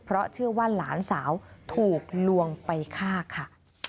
เพราะเชื่อว่าหลานสาวถูกลวงไปฆ่าค่ะ